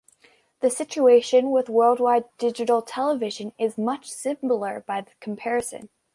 The situation with worldwide digital television is much simpler by comparison.